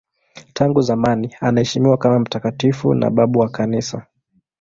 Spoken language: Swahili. Tangu zamani anaheshimiwa kama mtakatifu na babu wa Kanisa.